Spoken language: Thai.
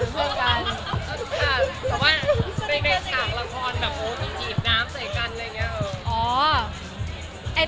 แต่ว่าในหกหลังครอนมันจีบน้ำใส่กัน